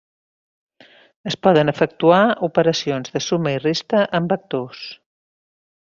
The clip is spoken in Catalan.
Es poden efectuar operacions de suma i resta amb vectors.